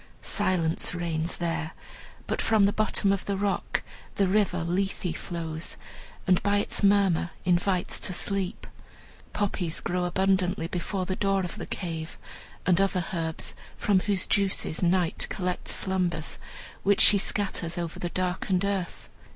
Silence reigns there; but from the bottom of the rock the River Lethe flows, and by its murmur invites to sleep. Poppies grow abundantly before the door of the cave, and other herbs, from whose juices Night collects slumbers, which she scatters over the darkened earth.